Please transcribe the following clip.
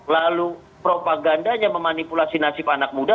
lalu propagandanya memanipulasi nasib anak muda